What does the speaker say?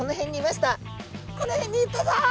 「この辺にいたぞ！